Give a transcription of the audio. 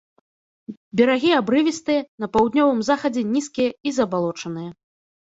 Берагі абрывістыя, на паўднёвым захадзе нізкія і забалочаныя.